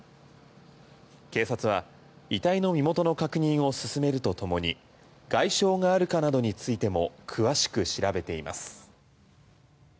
警察は、遺体の身元の確認を進めるとともに外傷があるかなどについても詳しく調べています。